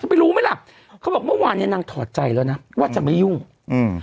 ไม่รู้ไหมล่ะเขาบอกเมื่อวานเนี้ยนางถอดใจแล้วนะว่าจะไม่ยุ่งอืม